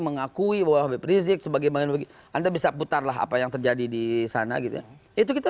mengakui bahwa berizik sebagai bagi anda bisa putarlah apa yang terjadi di sana gitu itu kita